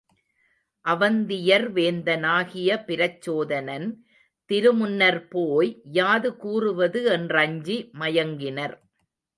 அவந்தியர் வேந்தனாகிய பிரச்சோதனன் திரு முன்னர்ப்போய் யாது கூறுவது என்றஞ்சி மயங்கினர்.